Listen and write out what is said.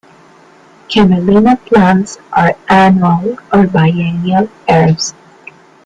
Camelina plants are annual or biennial herbs.